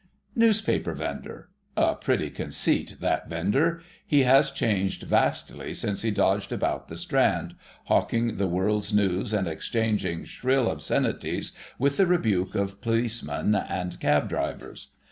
Newspaper Vendor. A pretty conceit, that Vendor! He has changed vastly since he dodged about the Strand, hawking the world's news and exchanging shrill obscenities with the rebuke of policemen and cab drivers.